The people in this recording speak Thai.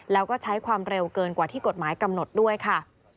แล้วก็ใช้ความเร็วเกินกว่าที่กฎหมายกำหนดด้วยค่ะ